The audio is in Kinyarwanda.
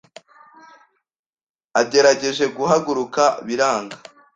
Agerageje guhaguruka biranga